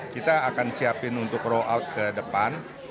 kita akan siapin untuk roll out ke depan